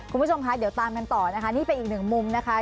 คุณผู้ชมคะเดี๋ยวตามกันต่อนะคะนี่เป็นอีกหนึ่งมุมนะคะ